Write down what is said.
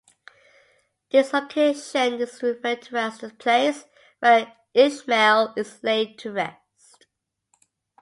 This location is referred to as the place where Ishmael is laid to rest.